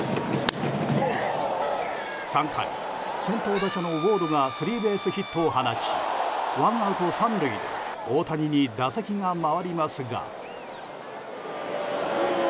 ３回、先頭打者のウォードがスリーベースヒットを放ちワンアウト３塁で大谷に打席が回りますが。